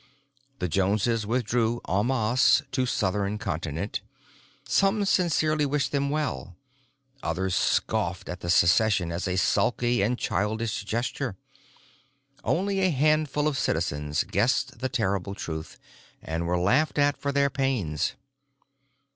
"The Joneses withdrew en masse to South Continent. Some sincerely wished them well; others scoffed at the secession as a sulky and childish gesture. Only a handful of citizens guessed the terrible truth, and were laughed at for their pains.